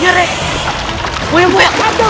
tidak ada yang bisa diberikan kebenaran